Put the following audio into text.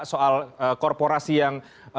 soal korporasi yang